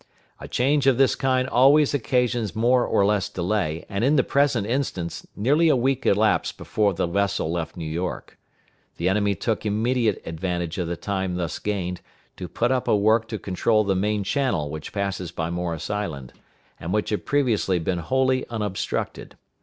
A change of this kind always occasions more or less delay, and in the present instance nearly a week elapsed before the vessel left New York. The enemy took immediate advantage of the time thus gained, to put up a work to control the main channel which passes by Morris Island, and which had previously been wholly unobstructed.